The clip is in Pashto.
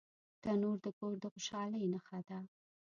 تنور د کور د خوشحالۍ نښه ده